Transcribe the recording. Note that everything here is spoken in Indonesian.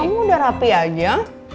kamu udah rapih aja